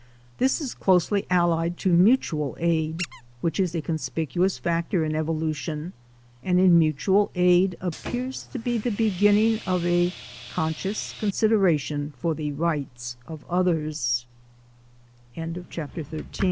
This is closely allied to Mutual Aid, which is a conspicuous factor in Evolution, and in Mutual Aid appears to be the beginning of a conscious consideration for th